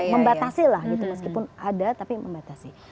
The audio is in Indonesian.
membatasilah gitu meskipun ada tapi membatasi